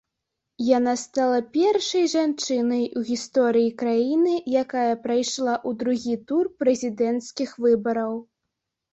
Яна стала першай жанчынай у гісторыі краіны, якая прайшла ў другі тур прэзідэнцкіх выбараў.